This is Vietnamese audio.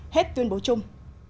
hết tuyên bố chung